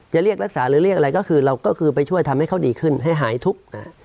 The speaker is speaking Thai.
จะเรียกรักษาหรือเรียกอะไรก็คือเราก็คือไปช่วยทำให้เขาดีขึ้นให้หายทุกข์